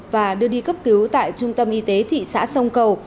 và đưa đi cấp cứu tại trung tâm y tế thị xã sông cầu